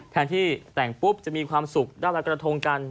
แทนที่แต่งปุ๊บจะมีความสุขด้านละกระทงกัน